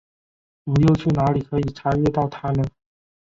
我又去哪里可以查阅到它呢？